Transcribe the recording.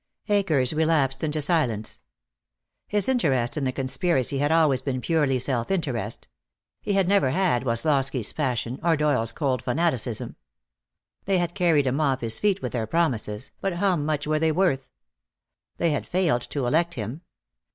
Akers relapsed into silence. His interest in the conspiracy had always been purely self interest; he had never had Woslosky's passion, or Doyle's cold fanaticism. They had carried him off his feet with their promises, but how much were they worth? They had failed to elect him.